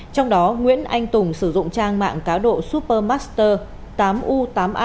trong đó nguyễn anh tùng sử dụng trang mạng cá độ supermaster tám u tám a